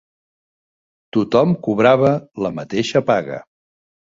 Tothom cobrava la mateixa paga